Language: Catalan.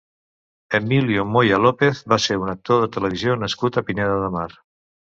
Emilio Moya López va ser un actor de televisió nascut a Pineda de Mar.